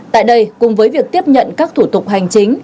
tại đây cùng với việc tiếp nhận các thủ tục hành chính